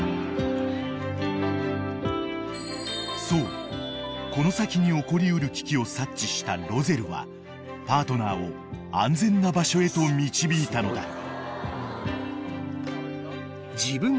［そうこの先に起こり得る危機を察知したロゼルはパートナーを安全な場所へと導いたのだ］